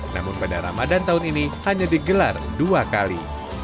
namun pada ramadan tahun ini hanya digelar dua kali